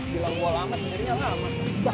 gila gue lama sendiri ya lama